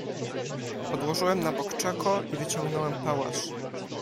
"Odłożyłem na bok czako i wyciągnąłem pałasz."